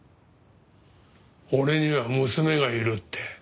俺には娘がいるって。